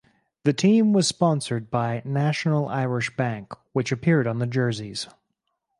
The team were sponsored by National Irish Bank which appeared on the jerseys.